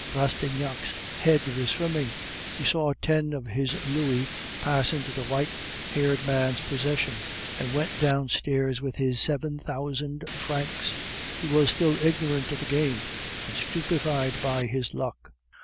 Rastignac's head was swimming; he saw ten of his louis pass into the white haired man's possession, and went down stairs with his seven thousand francs; he was still ignorant of the game, and stupefied by his luck.